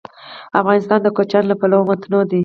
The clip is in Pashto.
افغانستان د کوچیان له پلوه متنوع دی.